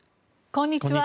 こんにちは。